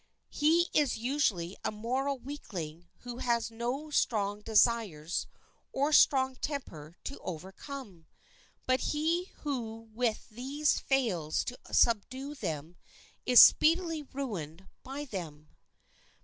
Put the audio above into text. He is usually a moral weakling who has no strong desires or strong temper to overcome; but he who with these fails to subdue them is speedily ruined by them.